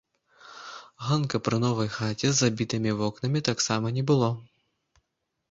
Ганка пры новай хаце з забітымі вокнамі таксама не было.